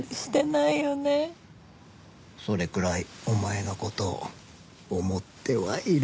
それくらいお前の事を思ってはいる。